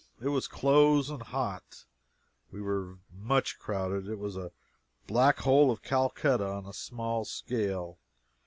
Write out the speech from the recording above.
It was close and hot. We were much crowded. It was the Black Hole of Calcutta on a small scale.